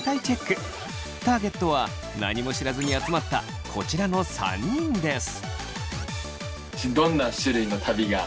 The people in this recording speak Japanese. ターゲットは何も知らずに集まったこちらの３人です。